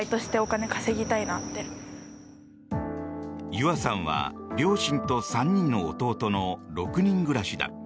ゆあさんは両親と３人の弟の６人暮らしだ。